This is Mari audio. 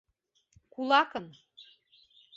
Кулакын.